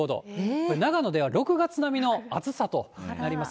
これ、長野では６月並みの暑さとなります。